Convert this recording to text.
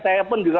saya pun juga